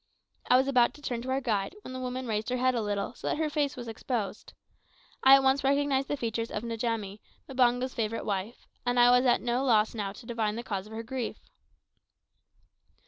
I was about to turn to our guide, when the woman raised her head a little, so that her face was exposed. I at once recognised the features of Njamie, Mbango's favourite wife, and I was now at no loss to divine the cause of her grief.